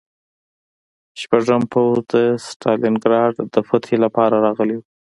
شپږم پوځ د ستالینګراډ د فتحې لپاره راغلی و